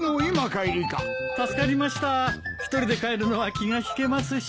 一人で帰るのは気がひけますし。